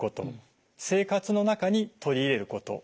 生活の中に取り入れること